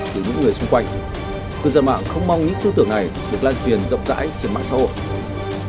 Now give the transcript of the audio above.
của những người xung quanh cư dân mạng không mong những tư tưởng này được lan truyền rộng rãi trên mạng xã hội